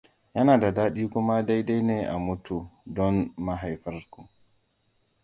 Yana da daɗi kuma daidai ne a mutu don mahaifarku.